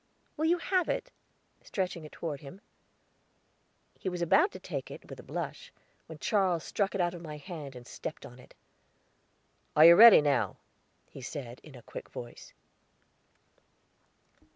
Will you have it?" stretching it toward him. He was about to take it, with a blush, when Charles struck it out of my hand and stepped on it. "Are you ready now?" he said, in a quick voice.